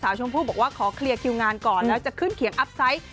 ชมพู่บอกว่าขอเคลียร์คิวงานก่อนแล้วจะขึ้นเขียงอัพไซต์